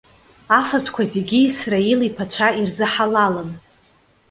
Афатәқәа зегьы Исраил иԥацәа ирзыҳалалын.